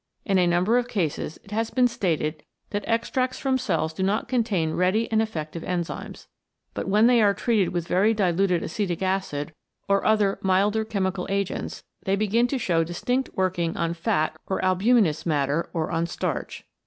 In a number of cases it has been stated that extracts from cells do not contain ready and effective enzymes. But when they are treated with very diluted acetic acid or other milder chemical agents they begin to show distinct working on fat or albuminous matter or on starch.